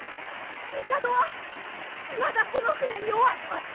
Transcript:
帝はいまだこの船におわします！